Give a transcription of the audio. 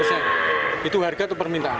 tujuh puluh persen itu harga atau permintaan